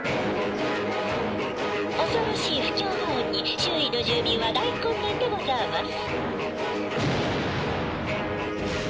「恐ろしい不協和音に周囲の住民は大混乱でござあます」。